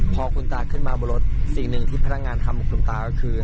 พอคุณตาขึ้นมาบนรถสิ่งหนึ่งที่พนักงานทำกับคุณตาก็คือ